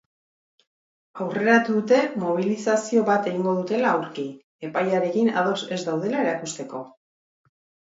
Aurreratu dute mobilizazio bat egingo dutela aurki, epaiarekin ados ez daudela erakusteko.